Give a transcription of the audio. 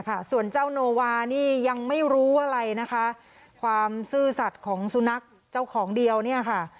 ค่ะส่วนเจ้าโนวานี่ยังไม่รู้อะไรนะคะความซื่อสัตว์ของสุนัขเจ้าของเดียวเนี่ยค่ะ